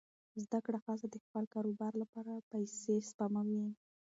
زده کړه ښځه د خپل کاروبار لپاره پیسې سپموي.